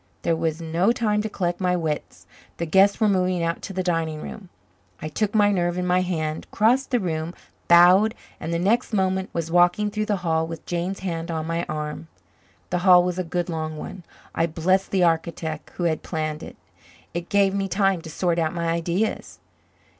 There was no time to collect my wits. The guests were moving out to the dining room. I took my nerve in my hand, crossed the room, bowed, and the next moment was walking through the hall with Jane's hand on my arm. The hall was a good long one; I blessed the architect who had planned it. It gave me time to sort out my ideas.